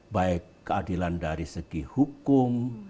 baik keadilan dari segi hukum